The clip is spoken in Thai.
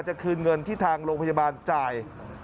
จะคืนเงินที่ทางโรงพยาบาลจ่าย